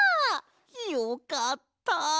よかった！